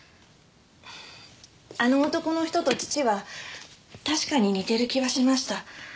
あの男の人と父は確かに似てる気はしました。